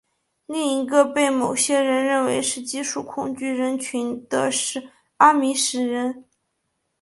另一个被某些人认为是技术恐惧人群的是阿米什人。